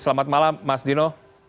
selamat malam mas dino